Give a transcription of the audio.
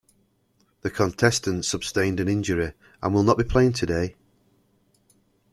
The contestant sustained an injury and will not be playing today.